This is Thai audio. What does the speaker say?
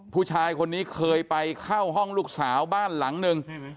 ผู้ชายคนนี้เคยไปเข้าห้องลูกสาวบ้านหลังหนึ่ง